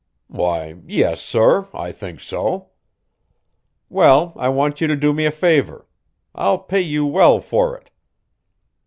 "Why, yes, sorr; I think so." "Well, I want you to do me a favor. I'll pay you well for it."